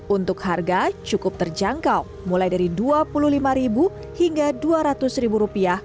untuk harga cukup terjangkau mulai dari dua puluh lima hingga dua ratus rupiah